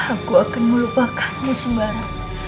aku akan melupakanmu sembara